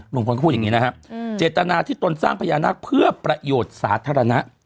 ลุงพลก็พูดอย่างนี้นะฮะเจตนาที่ตนสร้างพญานาคเพื่อประโยชน์สาธารณะ